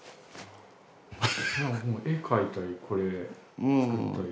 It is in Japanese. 絵描いたりこれ作ったり。